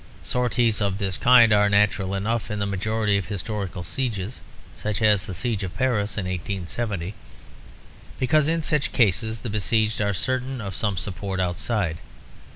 Sorties of this kind are natural enough in the majority of historical sieges, such as the siege of Paris in 1870, because in such cases the besieged are certain of some support outside.